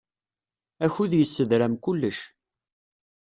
Akud yessedram kullec.